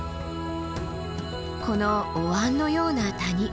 このお椀のような谷。